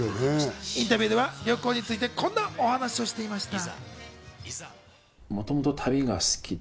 インタビューでは旅行についてこんなお話をしていました。